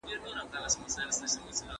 د ساینسپوه قاطعیت د عام کس تر قاطعیت زیات وي.